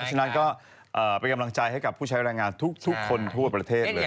ฉะนั้นก็เป็นกำลังใจให้กับผู้ใช้แรงงานทุกคนทั่วประเทศเลย